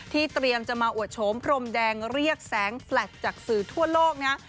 เตรียมจะมาอวดโฉมพรมแดงเรียกแสงแฟลตจากสื่อทั่วโลกนะฮะ